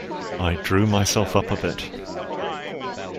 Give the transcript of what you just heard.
I drew myself up a bit.